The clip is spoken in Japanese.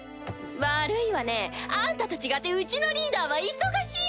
悪いわねアンタと違ってウチのリーダーは忙しいのよ。